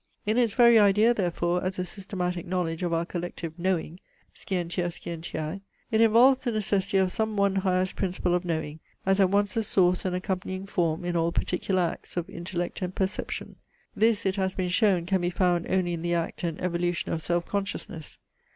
In its very idea therefore as a systematic knowledge of our collective KNOWING, (scientia scientiae) it involves the necessity of some one highest principle of knowing, as at once the source and accompanying form in all particular acts of intellect and perception. This, it has been shown, can be found only in the act and evolution of self consciousness.